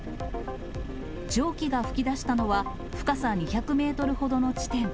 蒸気が噴き出したのは、深さ２００メートルほどの地点。